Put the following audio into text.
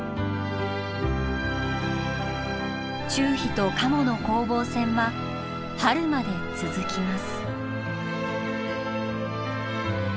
チュウヒとカモの攻防戦は春まで続きます。